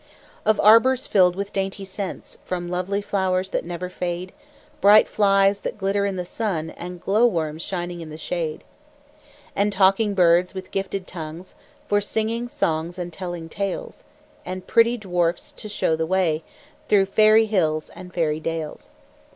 Of arbors filled with dainty scents From lovely flowers that never fade; Bright flies that glitter in the sun, And glowworms shining in the shade. And talking birds with gifted tongues, For singing songs and telling tales, And pretty dwarfs to show the way Through fairy hills and fairy dales.